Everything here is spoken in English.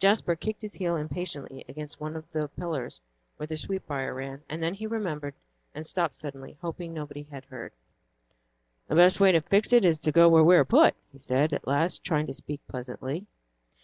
Jasper kicked his heel impatiently against one of the pillars where the sweetbrier ran; then he remembered, and stopped suddenly, hoping nobody had heard. "The best way to fix it is to go where we are put," he said at last, trying to speak pleasantly.